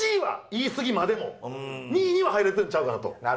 ２位には入れてるんちゃうかなと。